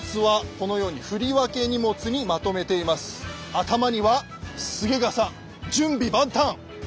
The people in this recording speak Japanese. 頭には準備万端！